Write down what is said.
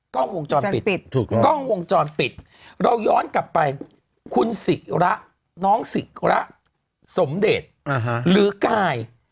กล้องวงจรปิดเราย้อนกลับไปคุณสิระน้องสิระสมเดชหรือกาย